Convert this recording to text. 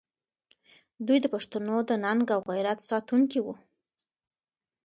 دوی د پښتنو د ننګ او غیرت ساتونکي وو.